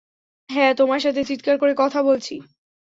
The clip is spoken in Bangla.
হ্যাঁ, তোমার সাথে চিৎকার করে কথা বলছি!